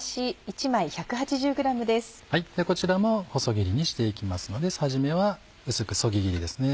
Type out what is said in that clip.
こちらも細切りにして行きますので初めは薄くそぎ切りですね。